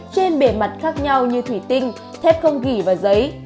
trên bề mặt khác nhau như thủy tinh thép không ghi và giấy